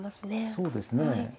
そうですね。